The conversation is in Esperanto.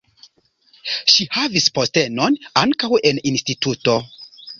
Ŝi havis postenon ankaŭ en instituto.